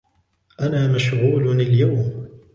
أنا مشغول اليوم.